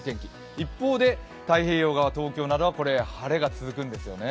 一方で太平洋側、東京などは晴れが続くんですよね。